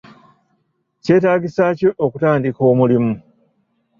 Kyetaagisa ki okutandika omulimu?